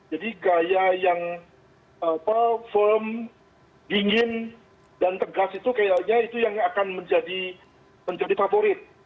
jadi gaya yang firm dingin dan tegas itu kayaknya yang akan menjadi favorit